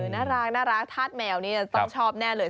น่ารักธาตุแมวนี่จะต้องชอบแน่เลย